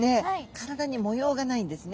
体に模様がないんですね。